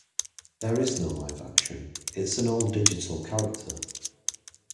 There is no live action; it's an all-digital character.